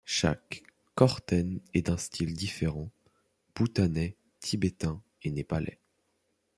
Chaque chorten est d'un style différent – bhoutanais, tibétain et népalais.